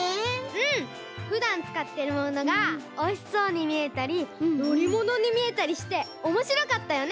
うんふだんつかってるものがおいしそうにみえたりのりものにみえたりしておもしろかったよね！